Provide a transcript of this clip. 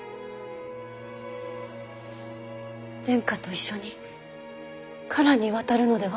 殿下と一緒に唐に渡るのでは？